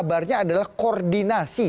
kabarnya adalah koordinasi